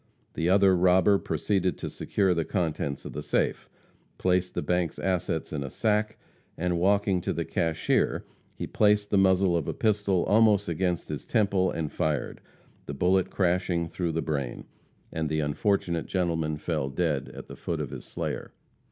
The other robber proceeded to secure the contents of the safe, placed the bank's assets in a sack, and walking to the cashier, he placed the muzzle of a pistol almost against his temple, and fired, the bullet crashing through the brain, and the unfortunate gentleman fell dead at the foot of his slayer.